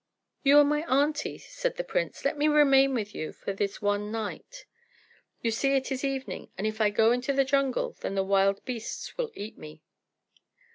"You are my aunty," said the prince; "let me remain with you for this one night. You see it is evening, and if I go into the jungle, then the wild beasts will eat me."